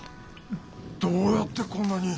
どうやってこんなに。